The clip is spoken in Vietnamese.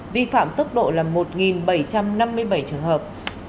vi phạm tốc độ là một bảy trăm năm mươi bảy trường hợp